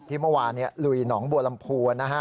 เมื่อวานลุยหนองบัวลำพูนะฮะ